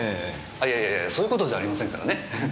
いやいやそういう事じゃありませんからね。